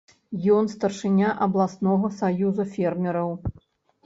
Ён старшыня абласнога саюза фермераў.